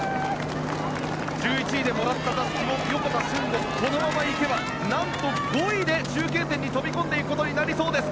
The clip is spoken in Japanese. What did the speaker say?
１１位でもらったたすきを横田俊吾、このまま行けば何と５位で中継点に飛び込むことになりそうです。